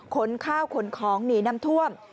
ขนข้าวขนของหนีน้ำท่วม